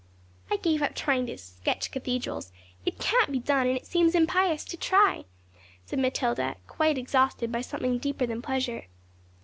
'I give up trying to sketch cathedrals. It can't be done, and seems impious to try,' said Matilda, quite exhausted by something deeper than pleasure.